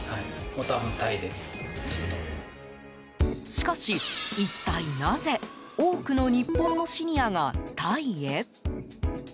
しかし、一体なぜ多くの日本のシニアがタイへ？